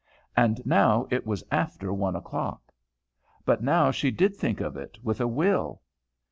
And now it was after one o'clock. But now she did think of it with a will.